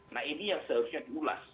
nah ini yang seharusnya diulas